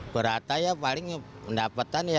berat saya paling mendapatkan